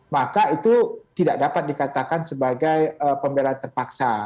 maka itu tidak dapat dikatakan sebagai pembelaan terpaksa